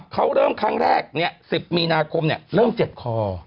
เขาเริ่มครั้งแรก๑๐มีนาคมเริ่มเจ็บคอ